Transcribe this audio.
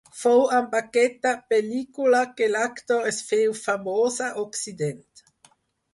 Fou amb aquesta pel·lícula que l'actor es féu famós a Occident.